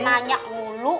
eh banyak mulu